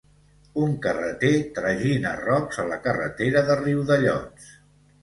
Un carreter tragina rocs a la carretera de Riudellots